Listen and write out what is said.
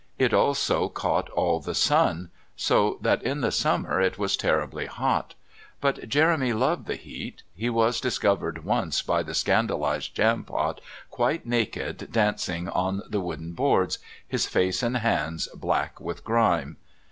It also caught all the sun, so that in the summer it was terribly hot. But Jeremy loved the heat. He was discovered once by the scandalised Jampot quite naked dancing on the wooden boards, his face and hands black with grime.